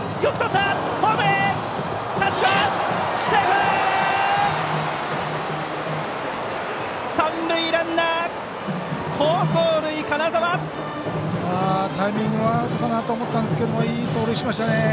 タイミングはアウトかなと思ったんですけれどもいい走塁をしましたね。